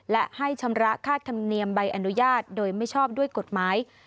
และให้ชำระค่าธรรมเนียมใบอนุญาตโดยไม่ชอบด้วยกฎหมาย